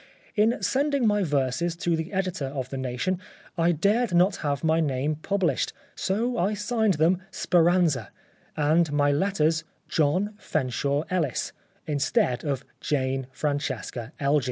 In sending my verses to the editor of The Nation I dared not have my name published, so I signed them ' Speranza,' and my letters * John Fenshaw Ellis,' instead of Jane Francesca Elgee."